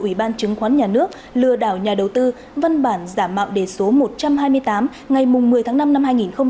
ủy ban chứng khoán nhà nước lừa đảo nhà đầu tư văn bản giả mạo đề số một trăm hai mươi tám ngày một mươi tháng năm năm hai nghìn một mươi chín